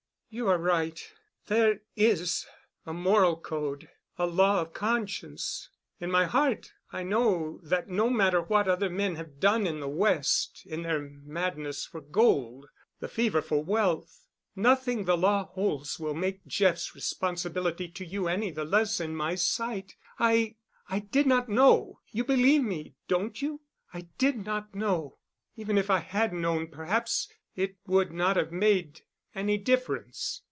"You are right. There is a moral code—a law of conscience. In my heart I know that no matter what other men have done in the West in their madness for gold, the fever for wealth, nothing the law holds will make Jeff's responsibility to you any the less in my sight. I—I did not know. You believe me, don't you? I did not know. Even if I had known, perhaps it would not have made any difference.